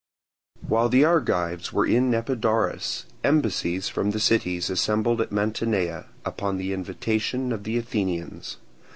While the Argives were in Epidaurus embassies from the cities assembled at Mantinea, upon the invitation of the Athenians.